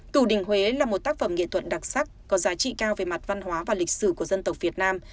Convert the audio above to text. cửu đình huế là một tác phẩm nghệ thuật đặc sắc có giá trị cao về mặt văn hóa và lịch sử của dân tộc việt nam